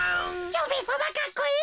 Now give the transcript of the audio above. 蝶兵衛さまかっこいい。